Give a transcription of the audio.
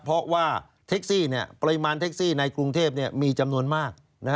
เพราะว่าแท็กซี่ปริมาณเท็กซี่ในกรุงเทพมีจำนวนมาก